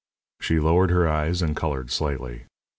She lowered her eyes and coloured slightly.